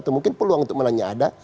atau mungkin peluang untuk menanya ada